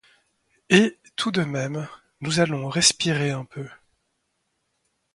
Et, tout de même, nous allons respirer un peu.